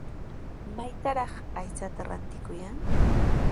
¿Maytrawraq aychata rantikuyan?